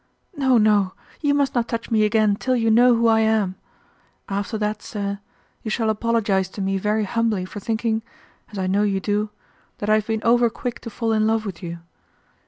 No, no; you must not touch me again till you know who I am. After that, sir, you shall apologize to me very humbly for thinking, as I know you do, that I have been over quick to fall in love with you.